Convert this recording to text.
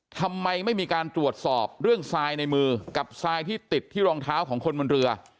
ทำไมไม่มีการตรวจสอบเรื่องทรายในมือกับทรายที่ติดที่รองเท้าของคนบนเรือ